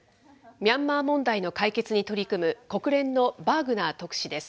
ミャンマー問題の解決に取り組む、国連のバーグナー特使です。